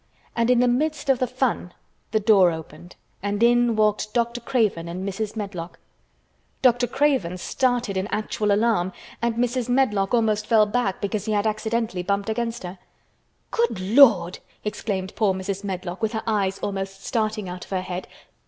And in the midst of the fun the door opened and in walked Dr. Craven and Mrs. Medlock. Dr. Craven started in actual alarm and Mrs. Medlock almost fell back because he had accidentally bumped against her. "Good Lord!" exclaimed poor Mrs. Medlock with her eyes almost starting out of her head.